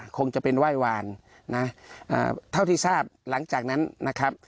คงจะเป็นไหว้วานนะเท่าที่ทราบหลังจากนั้นนะครับ